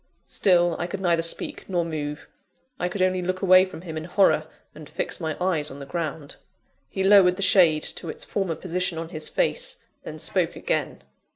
Still I could neither speak nor move. I could only look away from him in horror, and fix my eyes on the ground. He lowered the shade to its former position on his face, then spoke again.